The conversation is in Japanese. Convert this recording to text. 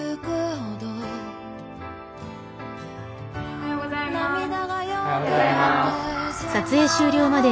おはようございます。